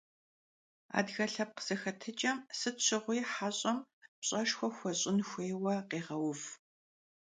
Adıge lhepkh zexetıç'em, sıt şığui heş'em pş'eşşxue xueş'ın xuêyue khêğeuv.